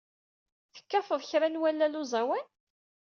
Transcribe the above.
Tekkateḍ kra n wallal uẓawan?